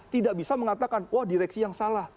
tidak bisa mengatakan wah direksi yang salah